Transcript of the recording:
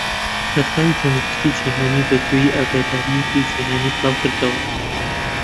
ڕێخراوی تەندروستی جیهانی بەزوویی ئاگاداریەکی جیهانی بڵاوکردەوە.